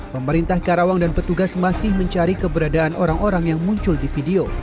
pemerintah karawang dan petugas masih mencari keberadaan orang orang yang muncul di video